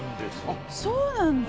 あっそうなんだ。